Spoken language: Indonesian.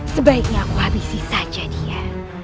sebaiknya habisi saja dia